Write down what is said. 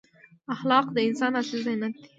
اخلاق د انسان اصلي زینت دی.